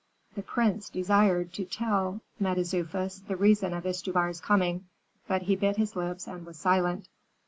The prince desired to tell Mentezufis the reason of Istubar's coming, but he bit his lips and was silent.